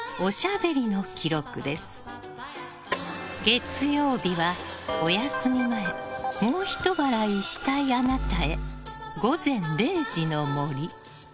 月曜日は、お休み前もうひと笑いしたいあなたへ。